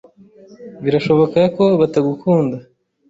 Birashoboka ko batagukunda.